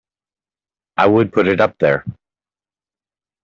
I would put it up there!